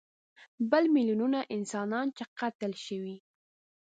بل میلیونونه انسانان چې قتل شوي.